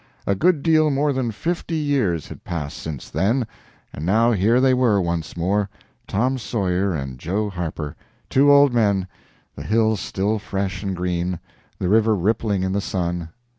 A good deal more than fifty years had passed since then, and now here they were once more Tom Sawyer and Joe Harper two old men, the hills still fresh and green, the river rippling in the sun.